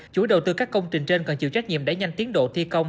chủ đầu tư các công trình trên còn chịu trách nhiệm để nhanh tiến độ thi công